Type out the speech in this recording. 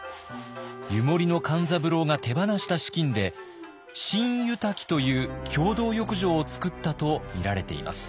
湯守の勘三郎が手放した資金で新湯瀧という共同浴場をつくったとみられています。